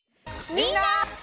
みんな！